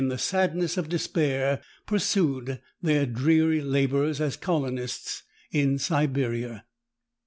m the sadness of despair pursued their dreary labors as colonists in Siberia.